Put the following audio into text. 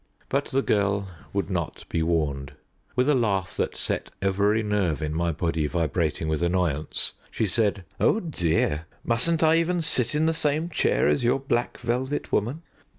But the girl would not be warned. With a laugh that set every nerve in my body vibrating with annoyance, she said, "Oh, dear! mustn't I even sit in the same chair as your black velvet woman?"